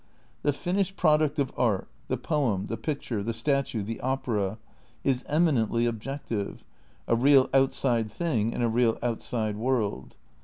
The fin ished product of art, the poem, the picture, the statue, the opera, is eminently objective, a real outside thing in a real outside world.